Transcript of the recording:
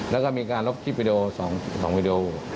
แล้วก็มีการลบคลิปวิดีโอ๒วิดีโอ